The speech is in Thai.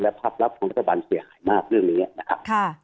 ภาพลับของรัฐบาลเสียหายมากเรื่องนี้นะครับ